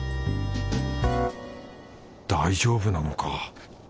大丈夫なのか？